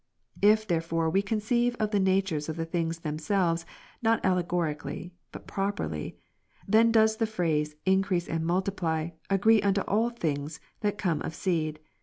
37. If therefore we conceive of the natures of the things themselves, not allegorically, but properly, then does the phrase i7icrease and multiply, agree unto all things, that come of seed.